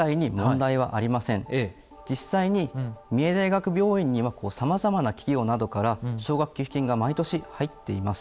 実際に三重大学病院にはさまざまな企業などから奨学寄付金が毎年入っています。